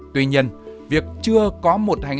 tuy nhiên việc chưa có một hành lạc văn hóa